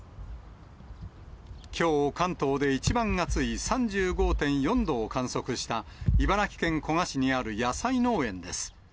きょう、関東で一番暑い３５．４度を観測した、茨城県古河市にある野菜農園です。